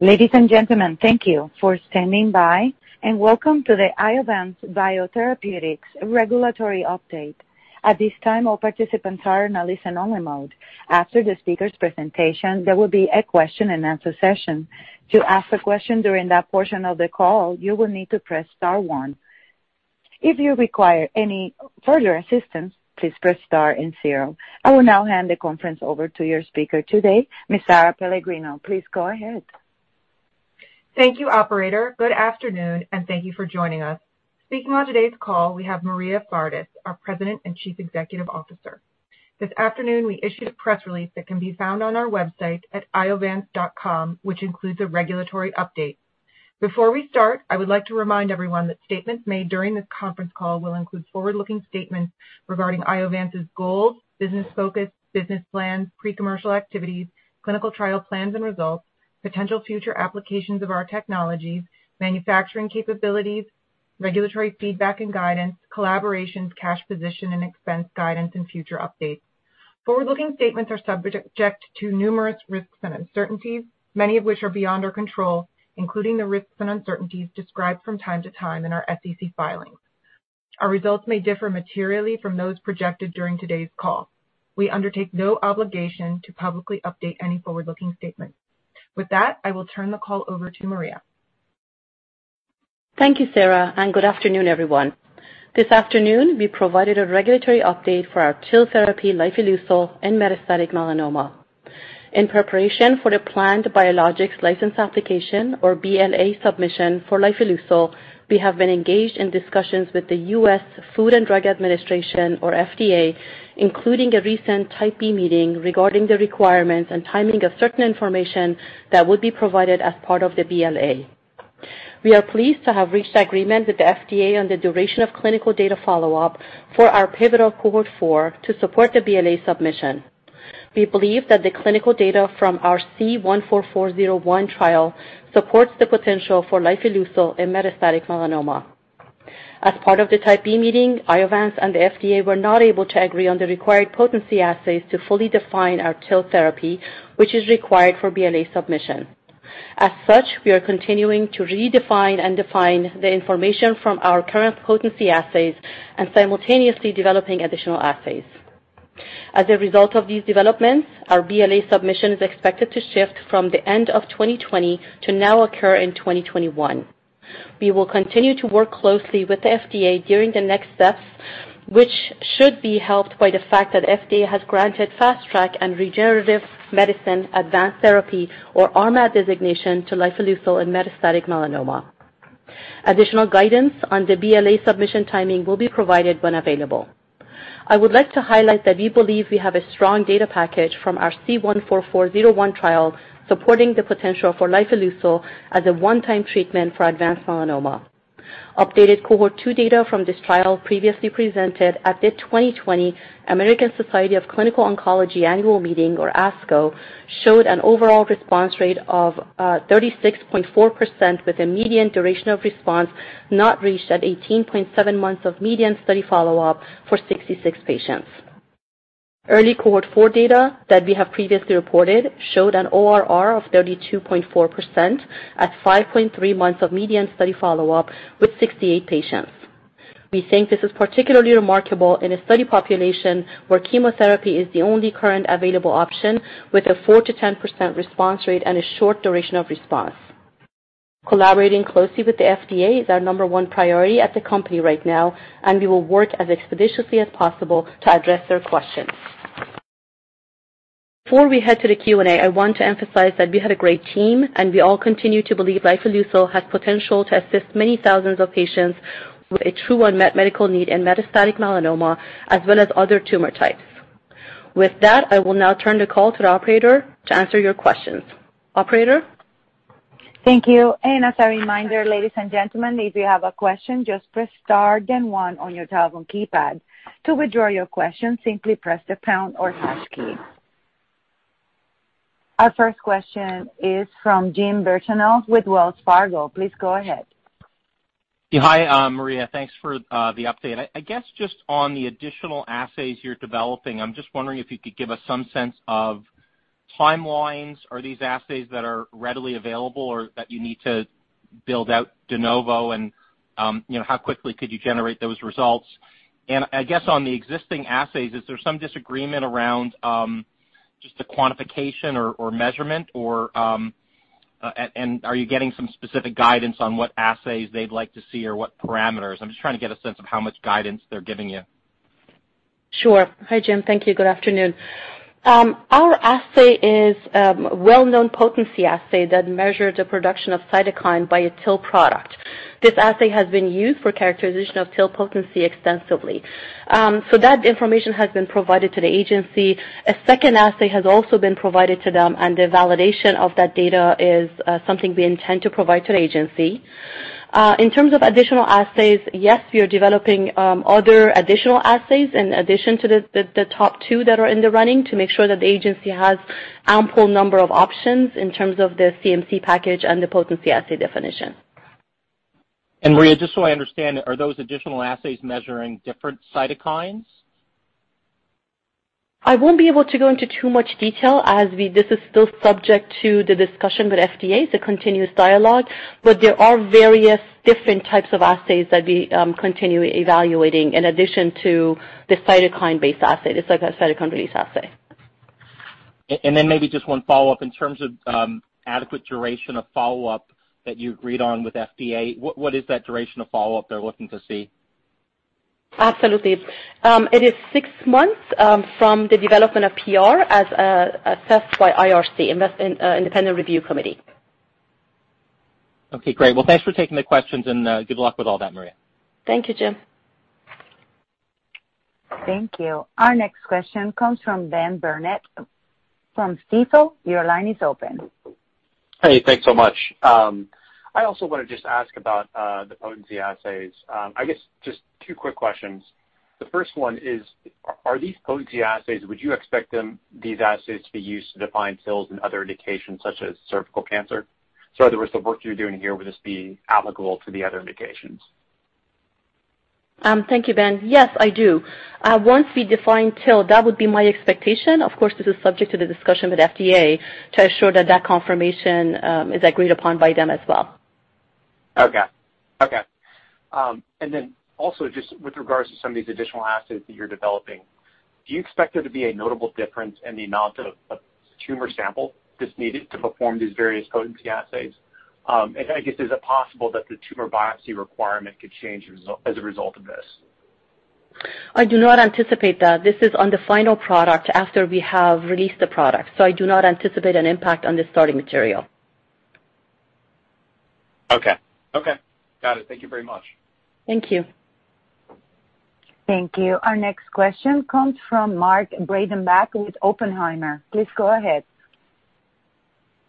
Ladies and gentlemen, thank you for standing by, and welcome to the Iovance Biotherapeutics regulatory update. At this time, all participants have been placed in a listen-only mode. After the speaker's presentation, there will be a question and answer session. To ask a question during that portion of the call, you will need to press star one. If you require any further assistance, just press star one and zero. I will now hand the conference over to your speaker today, Ms. Sara Pellegrino. Please go ahead. Thank you, operator. Good afternoon, and thank you for joining us. Speaking on today's call, we have Maria Fardis, our President and Chief Executive Officer. This afternoon, we issued a press release that can be found on our website at iovance.com, which includes a regulatory update. Before we start, I would like to remind everyone that statements made during this conference call will include forward-looking statements regarding Iovance's goals, business focus, business plans, pre-commercial activities, clinical trial plans and results, potential future applications of our technologies, manufacturing capabilities, regulatory feedback and guidance, collaborations, cash position and expense guidance, and future updates. Forward-looking statements are subject to numerous risks and uncertainties, many of which are beyond our control, including the risks and uncertainties described from time to time in our SEC filings. Our results may differ materially from those projected during today's call. We undertake no obligation to publicly update any forward-looking statements. With that, I will turn the call over to Maria. Thank you, Sara, and good afternoon, everyone. This afternoon, we provided a regulatory update for our TIL therapy, lifileucel, in metastatic melanoma. In preparation for the planned biologics license application or BLA submission for lifileucel, we have been engaged in discussions with the U.S. Food and Drug Administration, or FDA, including a recent Type B meeting regarding the requirements and timing of certain information that would be provided as part of the BLA. We are pleased to have reached agreement with the FDA on the duration of clinical data follow-up for our pivotal Cohort 4 to support the BLA submission. We believe that the clinical data from our C-144-01 trial supports the potential for lifileucel in metastatic melanoma. As part of the Type B meeting, Iovance and the FDA were not able to agree on the required potency assays to fully define our TIL therapy, which is required for BLA submission. As such, we are continuing to redefine and define the information from our current potency assays and simultaneously developing additional assays. As a result of these developments, our BLA submission is expected to shift from the end of 2020 to now occur in 2021. We will continue to work closely with the FDA during the next steps, which should be helped by the fact that FDA has granted Fast Track and Regenerative Medicine Advanced Therapy, or RMAT designation to lifileucel in metastatic melanoma. Additional guidance on the BLA submission timing will be provided when available. I would like to highlight that we believe we have a strong data package from our C-144-01 trial supporting the potential for lifileucel as a one-time treatment for advanced melanoma. Updated Cohort 2 data from this trial, previously presented at the 2020 American Society of Clinical Oncology Annual Meeting or ASCO, showed an overall response rate of 36.4% with a median duration of response not reached at 18.7 months of median study follow-up for 66 patients. Early Cohort 4 data that we have previously reported showed an ORR of 32.4% at 5.3 months of median study follow-up with 68 patients. We think this is particularly remarkable in a study population where chemotherapy is the only current available option with a 4%-10% response rate and a short duration of response. Collaborating closely with the FDA is our number one priority at the company right now, and we will work as expeditiously as possible to address their questions. Before we head to the Q&A, I want to emphasize that we have a great team, and we all continue to believe lifileucel has potential to assist many thousands of patients with a true unmet medical need in metastatic melanoma as well as other tumor types. With that, I will now turn the call to the operator to answer your questions. Operator? Thank you. As a reminder, ladies and gentlemen, if you have a question, just press star, then one on your telephone keypad. To withdraw your question, simply press the pound or hash key. Our first question is from Jim Birchenough with Wells Fargo. Please go ahead. Yeah. Hi, Maria. Thanks for the update. I guess just on the additional assays you're developing, I'm just wondering if you could give us some sense of timelines. Are these assays that are readily available or that you need to build out de novo, how quickly could you generate those results? I guess on the existing assays, is there some disagreement around just the quantification or measurement, and are you getting some specific guidance on what assays they'd like to see or what parameters? I'm just trying to get a sense of how much guidance they're giving you. Sure. Hi, Jim. Thank you. Good afternoon. Our assay is a well-known potency assay that measures the production of cytokine by a TIL product. This assay has been used for characterization of TIL potency extensively. That information has been provided to the agency. A second assay has also been provided to them, and the validation of that data is something we intend to provide to the agency. In terms of additional assays, yes, we are developing other additional assays in addition to the top two that are in the running to make sure that the agency has ample number of options in terms of the CMC package and the potency assay definition. Maria, just so I understand, are those additional assays measuring different cytokines? I won't be able to go into too much detail as this is still subject to the discussion with FDA, it's a continuous dialogue, but there are various different types of assays that we continue evaluating in addition to the cytokine-based assay. It's like a cytokine release assay. Maybe just one follow-up. In terms of the adequate duration of follow-up that you agreed on with FDA, what is that duration of follow-up they're looking to see? Absolutely. It is six months from the development of PR as assessed by IRC, Independent Review Committee. Okay, great. Well, thanks for taking the questions, and good luck with all that, Maria. Thank you, Jim. Thank you. Our next question comes from Benjamin Burnett from Stifel. Your line is open. Hey, thanks so much. I also want to just ask about the potency assays. I guess just two quick questions. The first one is, would you expect these potency assays to be used to define TILs in other indications such as cervical cancer? In other words, the work you're doing here, would this be applicable to the other indications? Thank you, Ben. Yes, I do. Once we define TIL, that would be my expectation. Of course, this is subject to the discussion with FDA to ensure that that confirmation is agreed upon by them as well. Okay. Also, just with regards to some of these additional assays that you're developing, do you expect there to be a notable difference in the amount of tumor sample that's needed to perform these various potency assays? I guess, is it possible that the tumor biopsy requirement could change as a result of this? I do not anticipate that. This is on the final product after we have released the product, so I do not anticipate an impact on the starting material. Okay. Got it. Thank you very much. Thank you. Thank you. Our next question comes from Mark Breidenbach with Oppenheimer. Please go ahead.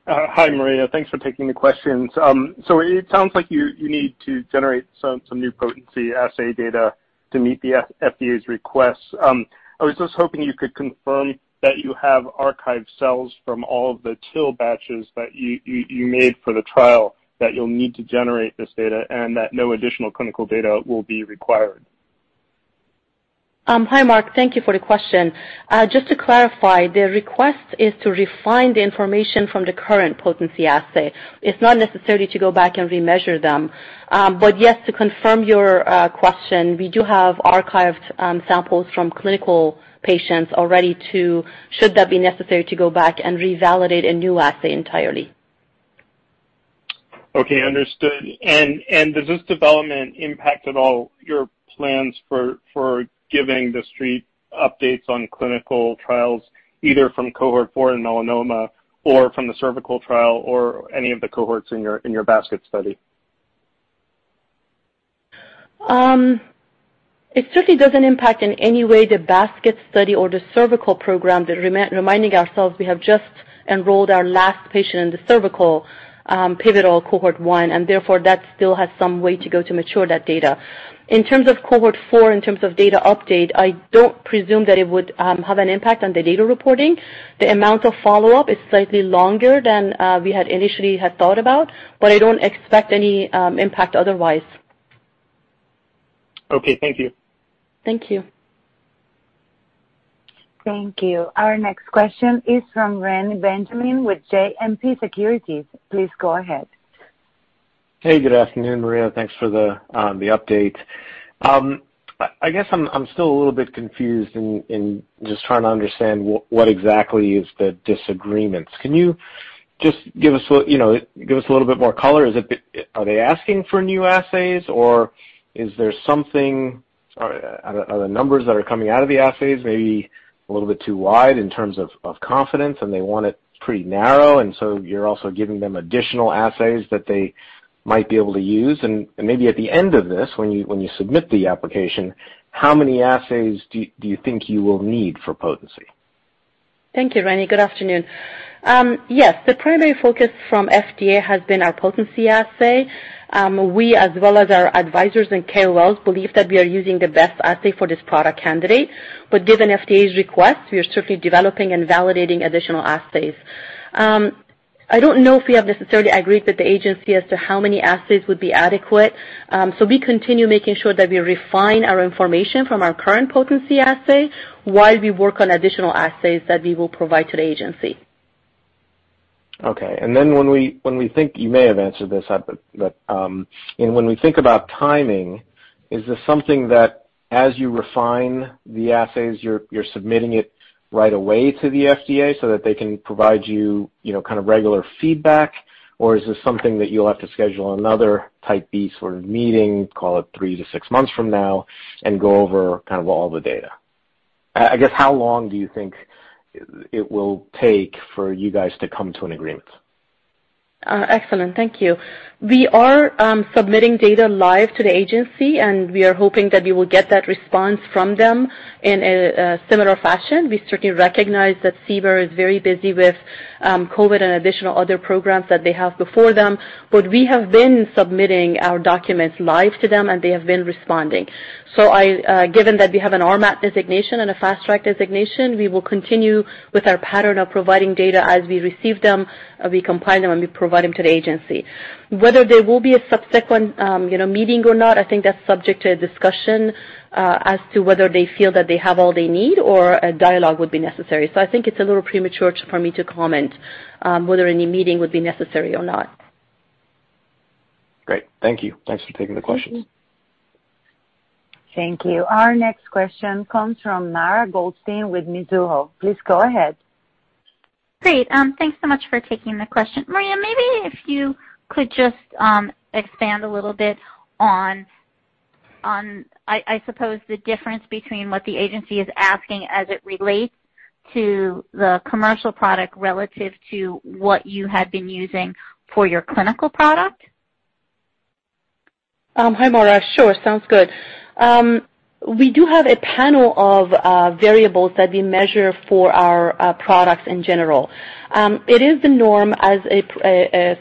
Hi, Maria. Thanks for taking the questions. It sounds like you need to generate some new potency assay data to meet the FDA's requests. I was just hoping you could confirm that you have archived cells from all of the TIL batches that you made for the trial that you'll need to generate this data and that no additional clinical data will be required. Hi, Mark. Thank you for the question. Just to clarify, the request is to refine the information from the current potency assay. It's not necessarily to go back and re-measure them. Yes, to confirm your question, we do have archived samples from clinical patients already too, should that be necessary to go back and revalidate a new assay entirely. Okay, understood. Does this development impact at all your plans for giving the street updates on clinical trials, either from Cohort 4 in melanoma or from the cervical trial or any of the cohorts in your basket study? It certainly doesn't impact in any way the basket study or the cervical program. Reminding ourselves, we have just enrolled our last patient in the cervical pivotal Cohort 1, and therefore that still has some way to go to mature that data. In terms of Cohort 4, in terms of data updates, I don't presume that it would have an impact on the data reporting. The amount of follow-up is slightly longer than we had initially had thought about, but I don't expect any impact otherwise. Okay. Thank you. Thank you. Thank you. Our next question is from Reni Benjamin with JMP Securities. Please go ahead. Hey, good afternoon, Maria. Thanks for the update. I guess I'm still a little bit confused and just trying to understand what exactly is the disagreement. Can you just give us a little bit more color? Are they asking for new assays, or is there something? Are the numbers that are coming out of the assays maybe a little bit too wide in terms of confidence, and they want it pretty narrow, and so you're also giving them additional assays that they might be able to use? Maybe at the end of this, when you submit the application, how many assays do you think you will need for potency? Thank you, Reni. Good afternoon. Yes, the primary focus from FDA has been our potency assay. We, as well as our advisors and KOLs, believe that we are using the best assay for this product candidate. Given FDA's request, we are certainly developing and validating additional assays. I don't know if we have necessarily agreed with the agency as to how many assays would be adequate. We continue making sure that we refine our information from our current potency assay while we work on additional assays that we will provide to the agency. Okay. When we think, you may have answered this, but when we think about timing, is this something that, as you refine the assays, you're submitting it right away to the FDA so that they can provide you kind of regular feedback? Is this something that you'll have to schedule another Type B sort of meeting, call it three to six months from now, and go over all the data? How long do you think it will take for you guys to come to an agreement? Excellent. Thank you. We are submitting data live to the agency; we are hoping that we will get that response from them in a similar fashion. We certainly recognize that CBER is very busy with COVID and additional other programs that they have before them; we have been submitting our documents live to them, they have been responding. Given that we have an RMAT designation and a Fast Track designation, we will continue with our pattern of providing data as we receive them, we compile them, we provide them to the agency. Whether there will be a subsequent meeting or not, I think that's subject to a discussion as to whether they feel that they have all they need or a dialogue would be necessary. I think it's a little premature for me to comment whether any meeting would be necessary or not. Great. Thank you. Thanks for taking the questions. Thank you. Our next question comes from Mara Goldstein with Mizuho. Please go ahead. Great. Thanks so much for taking the question. Maria, maybe if you could just expand a little bit on, I suppose, the difference between what the agency is asking as it relates to the commercial product relative to what you had been using for your clinical product. Hi, Mara. Sure. Sounds good. We do have a panel of variables that we measure for our products in general. It is the norm as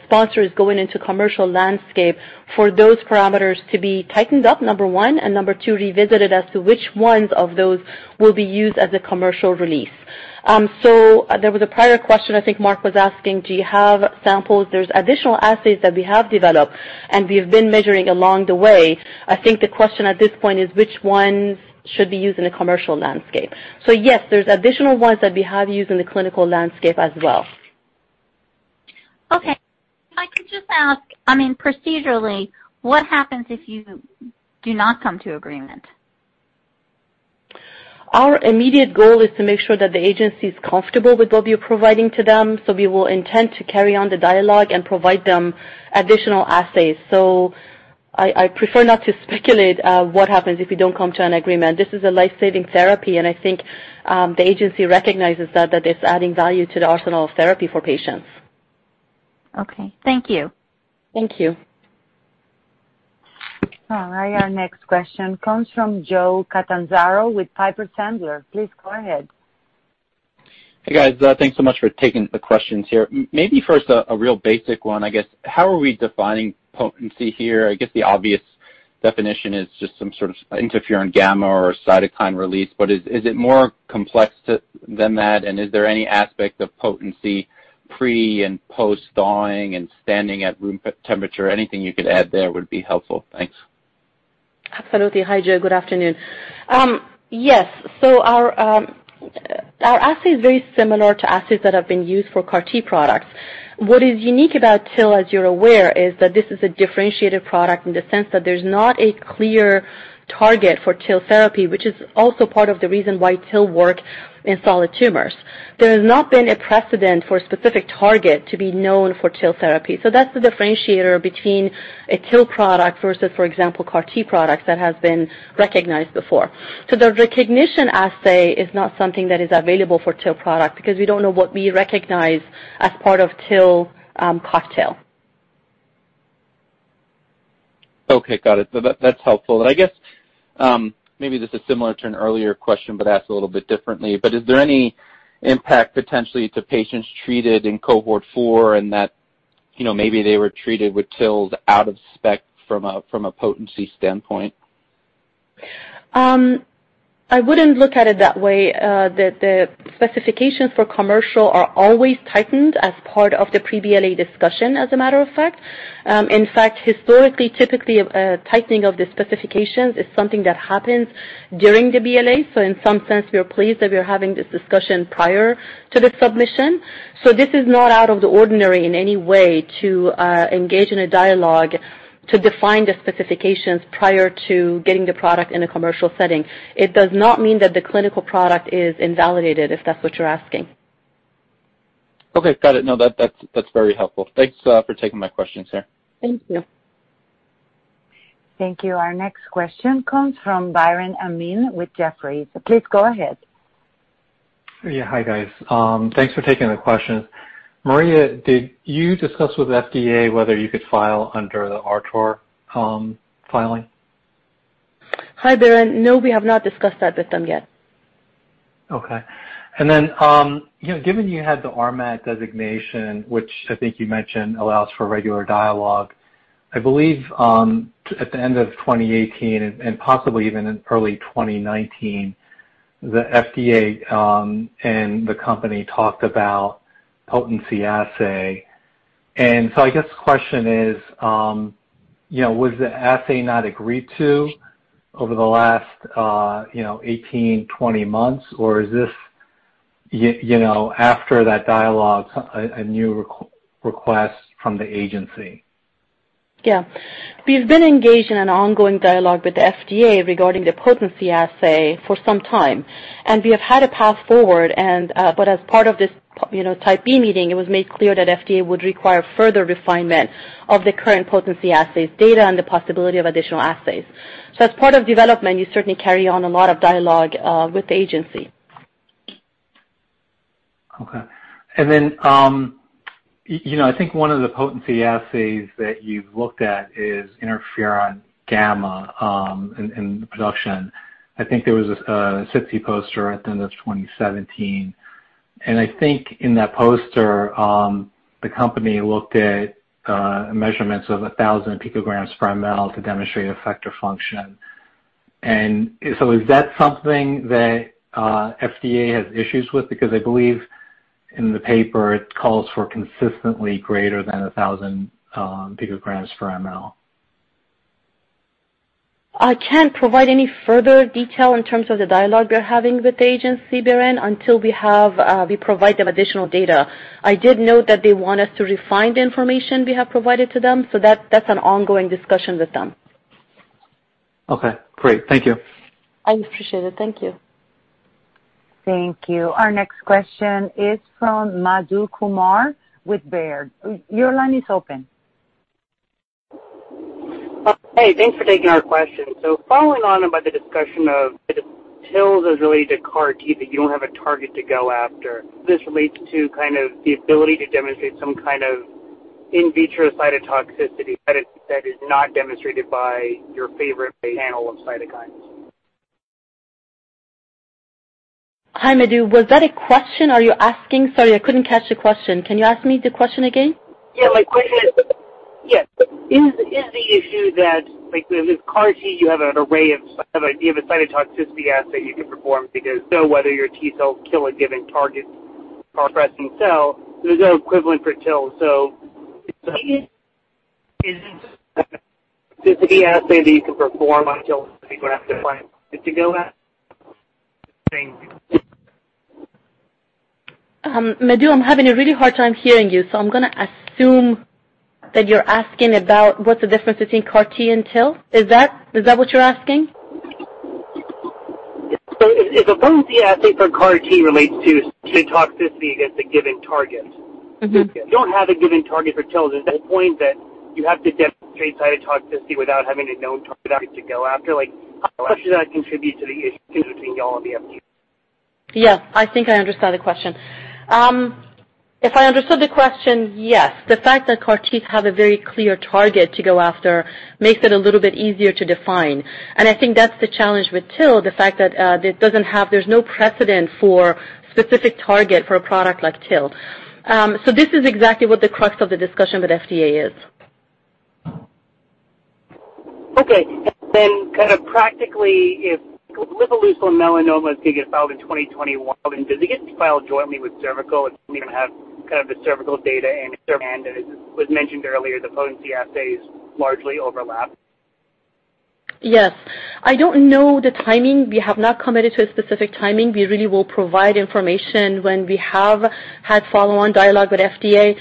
sponsors going into commercial landscape for those parameters to be tightened up, number one, and number two, revisited as to which ones of those will be used as a commercial release. There was a prior question; I think Mark was asking, do you have samples?" There's additional assays that we have developed, and we have been measuring along the way. I think the question at this point is which ones should be used in a commercial landscape. Yes, there's additional ones that we have used in the clinical landscape as well. Okay. If I could just ask, procedurally, what happens if you do not come to agreement? Our immediate goal is to make sure that the agency is comfortable with what we are providing to them. We will intend to carry on the dialogue and provide them additional assays. I prefer not to speculate what happens if we don't come to an agreement. This is a life-saving therapy, and I think the agency recognizes that it's adding value to the arsenal of therapy for patients. Okay. Thank you. Thank you. All right, our next question comes from Joseph Catanzaro with Piper Sandler. Please go ahead. Hey, guys. Thanks so much for taking the questions here. Maybe first a real basic one, I guess. How are we defining potency here? I guess the obvious definition is just some sort of interferon gamma or cytokine release, but is it more complex than that, and is there any aspect of potency pre- and post-thawing and standing at room temperature? Anything you could add there would be helpful. Thanks. Absolutely. Hi, Joe. Good afternoon. Yes. Our assay is very similar to assays that have been used for CAR T products. What is unique about TIL, as you're aware, is that this is a differentiated product in the sense that there's not a clear target for TIL therapy, which is also part of the reason why TIL work in solid tumors. There has not been a precedent for a specific target to be known for TIL therapy. That's the differentiator between a TIL product versus, for example, CAR T products that has been recognized before. The recognition assay is not something that is available for TIL product because we don't know what we recognize as part of TIL cocktail. Okay, got it. That's helpful. I guess maybe this is similar to an earlier question but asked a little bit differently, but is there any impact potentially to patients treated in Cohort 4 in that maybe they were treated with TILs out of spec from a potency standpoint? I wouldn't look at it that way. The specifications for commercial are always tightened as part of the pre-BLA discussion, as a matter of fact. In fact, historically, typically, a tightening of the specifications is something that happens during the BLA. In some sense, we are pleased that we are having this discussion prior to the submission. This is not out of the ordinary in any way to engage in a dialogue to define the specifications prior to getting the product in a commercial setting. It does not mean that the clinical product is invalidated, if that's what you're asking. Okay, got it. No, that's very helpful. Thanks for taking my questions here. Thank you. Thank you. Our next question comes from Biren Amin with Jefferies. Please go ahead. Yeah. Hi, guys. Thanks for taking the question. Maria, did you discuss with FDA whether you could file under the RTOR filing? Hi, Biren. No, we have not discussed that with them yet. Okay. Given you had the RMAT designation, which I think you mentioned allows for regular dialogue, I believe, at the end of 2018 and possibly even in early 2019, the FDA, and the company talked about potency assay. I guess the question is, was the assay not agreed to over the last 18, 20 months? Or is this, after that dialogue, a new request from the agency? Yeah. We've been engaged in an ongoing dialogue with the FDA regarding the potency assay for some time. We have had a path forward, but as part of this Type B meeting, it was made clear that FDA would require further refinement of the current potency assays data and the possibility of additional assays. As part of development, you certainly carry on a lot of dialogue with the agency. Okay. I think one of the potency assays that you've looked at is interferon gamma in the production. I think there was a SITC poster at the end of 2017, and I think in that poster, the company looked at measurements of 1,000 picograms per ml to demonstrate effector function. Is that something that FDA has issues with? Because I believe in the paper, it calls for consistently greater than 1,000 picograms per ml. I can't provide any further detail in terms of the dialogue we are having with the agency, Biren, until we provide them additional data. I did note that they want us to refine the information we have provided to them. That's an ongoing discussion with them. Okay, great. Thank you. I appreciate it. Thank you. Thank you. Our next question is from Madhu Kumar with Baird. Your line is open. Hey, thanks for taking our question. Following on about the discussion of the TILs as related to CAR T, that you don't have a target to go after; this relates to kind of the ability to demonstrate some kind of in vitro cytotoxicity that is not demonstrated by your favorite panel of cytokines. Hi, Madhu. Was that a question? Are you asking? Sorry, I couldn't catch the question. Can you ask me the question again? Yeah, my question is the issue that, like with CAR T, you have an array of, you have a cytotoxicity assay you can perform because, though whether your T cells kill a given target or resting cell, there's no equivalent for TIL. Is there a cytotoxicity assay that you can perform on TIL that you would have to find to go at? Thank you. Madhu, I'm having a really hard time hearing you, so I'm going to assume that you're asking about what's the difference between CAR T and TIL. Is that what you're asking? If a potency assay for CAR T relates to cytotoxicity against a given target. You don't have a given target for TIL. Is there a point that you have to demonstrate cytotoxicity without having a known target to go after? How does that contribute to the issues between y'all and the FDA? Yes, I think I understand the question. If I understood the question, yes. The fact that CAR Ts have a very clear target to go after makes it a little bit easier to define. I think that's the challenge with TIL, the fact that there's no precedent for a specific target for a product like TIL. This is exactly what the crux of the discussion with FDA is. Okay. Kind of practically, if lifileucel in melanoma is going to get filed in 2021, does it get filed jointly with cervical and even have kind of the cervical data and demand, as was mentioned earlier, the potency assays largely overlap? Yes. I don't know the timing. We have not committed to a specific timing. We really will provide information when we have had follow-on dialogue with FDA.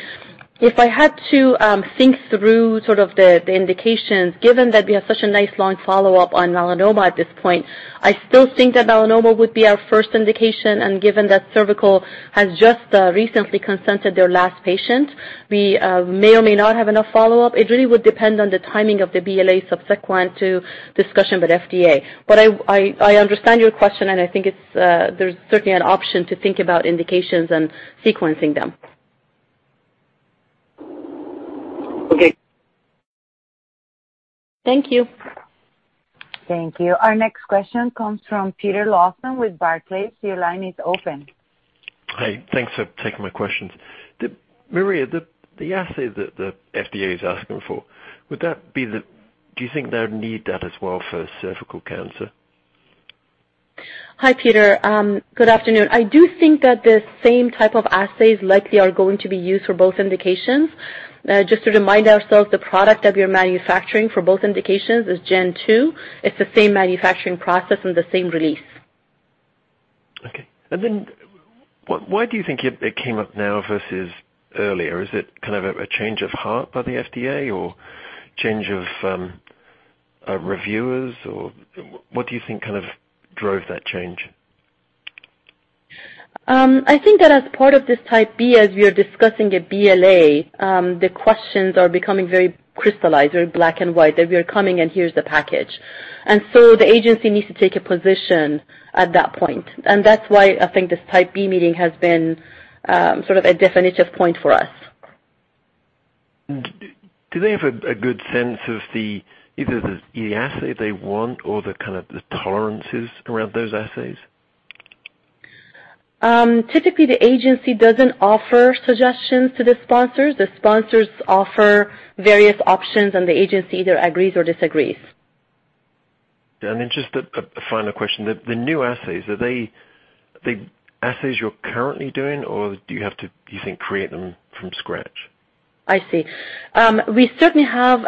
If I had to think through sort of the indications, given that we have such a nice long follow-up on melanoma at this point, I still think that melanoma would be our first indication. Given that cervical has just recently consented their last patient, we may or may not have enough follow-up. It really would depend on the timing of the BLA subsequent to discussion with FDA. I understand your question, and I think there's certainly an option to think about indications and sequencing them. Okay. Thank you. Thank you. Our next question comes from Peter Lawson with Barclays. Your line is open. Hi. Thanks for taking my questions. Maria, the assay that the FDA is asking for, do you think they would need that as well for cervical cancer? Hi, Peter. Good afternoon. I do think that the same type of assays likely are going to be used for both indications. Just to remind ourselves, the product that we are manufacturing for both indications is Gen 2. It's the same manufacturing process and the same release. Okay. Why do you think it came up now versus earlier? Is it kind of a change of heart by the FDA or a change of reviewers? What do you think kind of drove that change? I think that as part of this Type B, as we are discussing a BLA, the questions are becoming very crystallized, very black and white. We are coming, and here's the package. The agency needs to take a position at that point. That's why I think this Type B meeting has been sort of a definitive point for us. Do they have a good sense of either the assay they want or the kind of the tolerances around those assays? Typically, the agency doesn't offer suggestions to the sponsors. The sponsors offer various options, and the agency either agrees or disagrees. Just a final question. The new assays, are they the assays you're currently doing, or do you have to, you think, create them from scratch? I see. We certainly have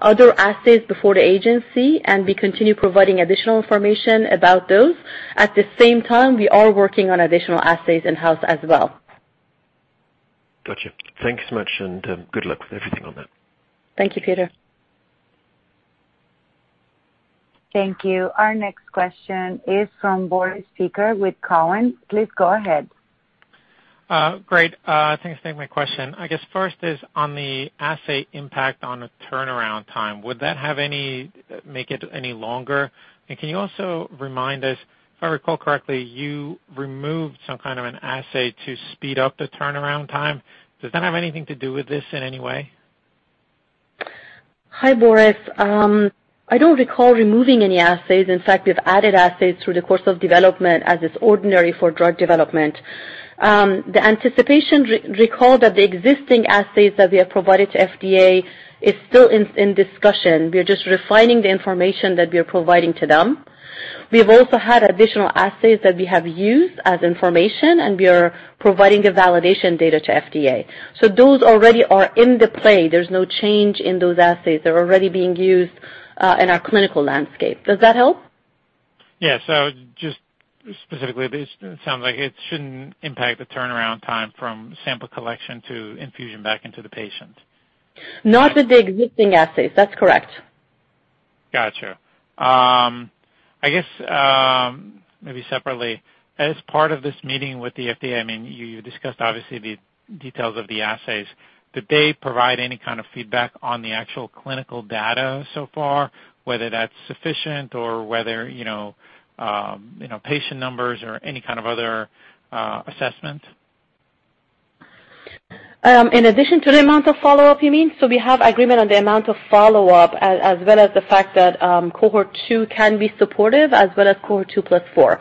other assays before the agency, and we continue providing additional information about those. At the same time, we are working on additional assays in-house as well. Got you. Thanks so much, and good luck with everything on that. Thank you, Peter. Thank you. Our next question is from Boris Peaker with Cowen. Please go ahead. Great. Thanks for taking my question. I guess first is on the assay's impact on the turnaround time. Would that make it any longer? Can you also remind us, if I recall correctly, you removed some kind of assay to speed up the turnaround time? Does that have anything to do with this in any way? Hi, Boris. I don't recall removing any assays. In fact, we've added assays through the course of development, as is ordinary for drug development. The anticipation recall that the existing assays that we have provided to FDA is still in discussion. We are just refining the information that we are providing to them. We have also had additional assays that we have used as information, and we are providing the validation data to FDA. Those already are in the play. There's no change in those assays. They're already being used in our clinical landscape. Does that help? Yeah. Just specifically, it sounds like it shouldn't impact the turnaround time from sample collection to infusion back into the patient. Not with the existing assays. That's correct. Got you. I guess, maybe separately, as part of this meeting with the FDA, I mean, you discussed, obviously, the details of the assays. Did they provide any kind of feedback on the actual clinical data so far, whether that's sufficient or whether patient numbers or any kind of other assessment? In addition to the amount of follow-up, you mean? We have agreement on the amount of follow-up as well as the fact that cohort 2 can be supportive as well as cohort 2 plus 4.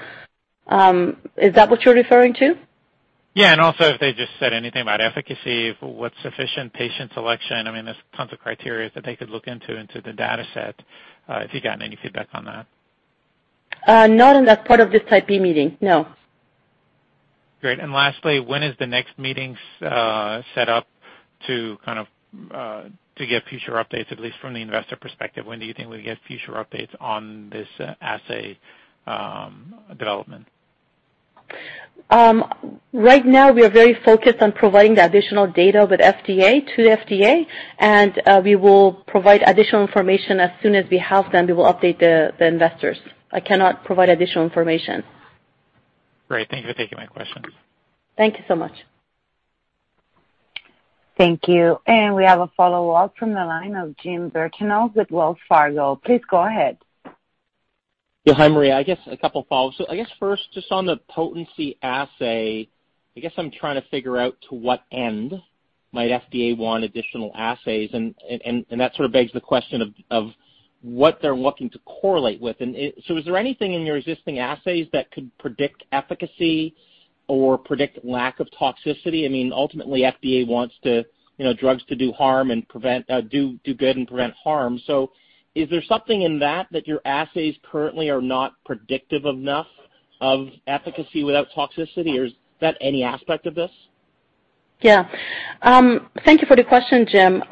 Is that what you're referring to? Yeah. Also, if they just said anything about efficacy, what's sufficient patient selection? I mean, there's tons of criteria that they could look into the dataset, if you've gotten any feedback on that. Not in that part of this Type B meeting, no. Great. Lastly, when is the next meeting set up to get future updates, at least from the investor perspective? When do you think we'll get future updates on this assay development? Right now, we are very focused on providing the additional data with FDA to FDA, and we will provide additional information. As soon as we have them, we will update the investors. I cannot provide additional information. Great. Thank you for taking my questions. Thank you so much. Thank you. We have a follow-up from the line of Jim Birchenough with Wells Fargo. Please go ahead. Yeah. Hi, Maria. I guess a couple follows. I guess first, just on the potency assay, I guess I'm trying to figure out to what end might FDA want additional assays, and that sort of begs the question of what they're looking to correlate with. Is there anything in your existing assays that could predict efficacy or predict lack of toxicity? I mean, ultimately, FDA wants drugs to do good and prevent harm. Is there something in that that your assays currently are not predictive enough of efficacy without toxicity, or is that any aspect of this? Yeah. Thank you for the question, Jim.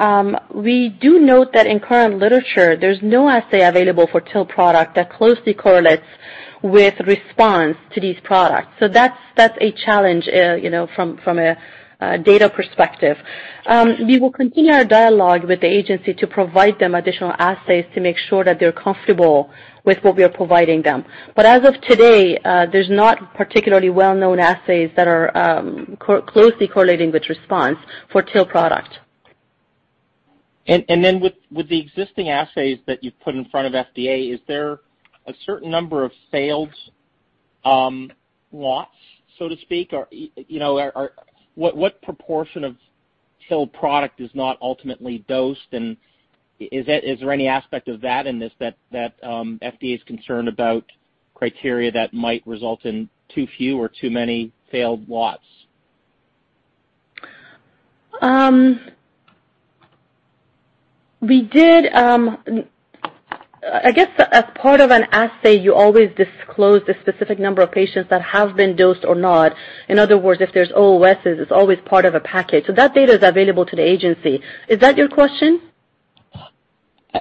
We do note that in current literature, there's no assay available for TIL products that closely correlates with response to these products. That's a challenge from a data perspective. We will continue our dialogue with the agency to provide them additional assays to make sure that they're comfortable with what we are providing them. As of today, there's not particularly well-known assays that are closely correlating with response for TIL products. With the existing assays that you've put in front of FDA, is there a certain number of failed lots, so to speak? What proportion of TIL product is not ultimately dosed, and is there any aspect of that in this that FDA's concerned about criteria that might result in too few or too many failed lots? I guess as part of an assay, you always disclose the specific number of patients that have been dosed or not. In other words, if there's OOS, it's always part of a package. That data is available to the agency. Is that your question?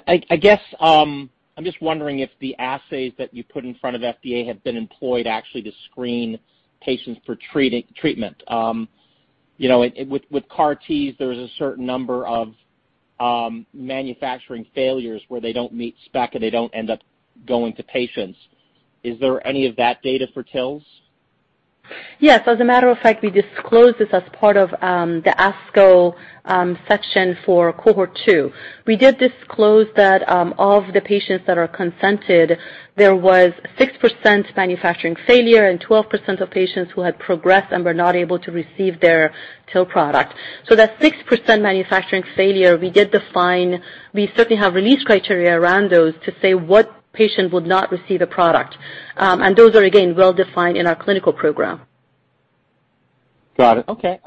I guess I'm just wondering if the assays that you put in front of FDA have been employed actually to screen patients for treatment. With CAR Ts, there was a certain number of manufacturing failures where they don't meet spec and they don't end up going to patients. Is there any of that data for TILs? Yes. As a matter of fact, we disclosed this as part of the ASCO section for Cohort 2. We did disclose that of the patients that are consented, there was 6% manufacturing failure and 12% of patients who had progressed and were not able to receive their TIL product. That 6% manufacturing failure, we certainly have release criteria around those to say what patient would not receive a product. Those are, again, well-defined in our clinical program. Got it. Okay.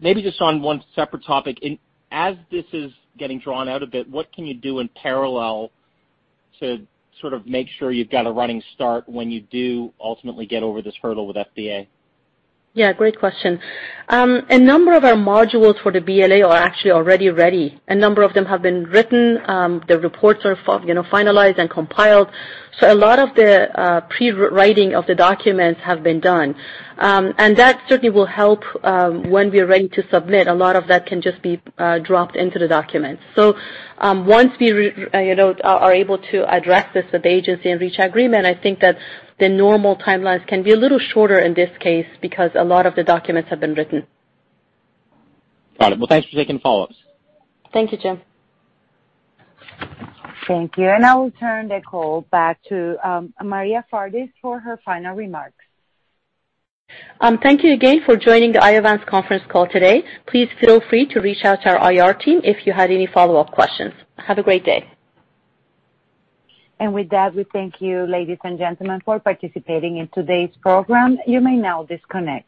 Maybe just on one separate topic. As this is getting drawn out a bit, what can you do in parallel to sort of make sure you've got a running start when you do ultimately get over this hurdle with FDA? Yeah, great question. A number of our modules for the BLA are actually already ready. A number of them have been written. The reports are finalized and compiled. A lot of the pre-writing of the documents have been done. That certainly will help when we are ready to submit. A lot of that can just be dropped into the documents. Once we are able to address this with the agency and reach agreement, I think that the normal timelines can be a little shorter in this case because a lot of the documents have been written. Got it. Well, thanks for taking the follow-ups. Thank you, Jim. Thank you. I will turn the call back to Maria Fardis for her final remarks. Thank you again for joining the Iovance conference call today. Please feel free to reach out to our IR team if you had any follow-up questions. Have a great day. With that, we thank you, ladies and gentlemen, for participating in today's program. You may now disconnect.